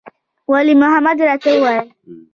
ولي محمد راته وويل.